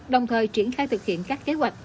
đồng thời triển khai thực hiện các kế hoạch